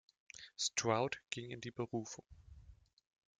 Stroud ging in die Berufung.